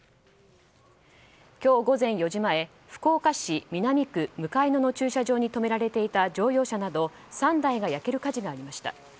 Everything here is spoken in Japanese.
今日午前４時前福岡市南区向野の駐車場に止められていた乗用車など３台が焼ける火事がありました。